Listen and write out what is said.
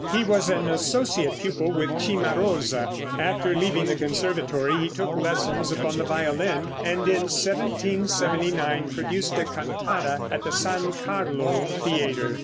He was an associate pupil with Cimarosa. After leaving the conservatory he took lessons upon the violin, and in 1779 produced a cantata at the San Carlo theater.